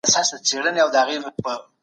سرمایه داري د افراط لاره غوره کړې ده.